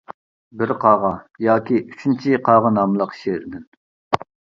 «بىر قاغا ياكى ئۈچىنچى قاغا» ناملىق شېئىردىن.